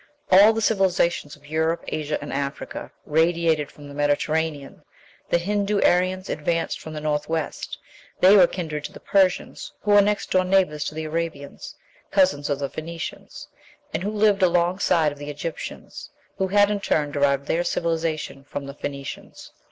All the civilizations of Europe, Asia, and Africa radiated from the Mediterranean; the Hindoo Aryans advanced from the north west; they were kindred to the Persians, who were next door neighbors to the Arabians (cousins of the Phoenicians), and who lived along side of the Egyptians, who had in turn derived their civilization from the Phoenicians.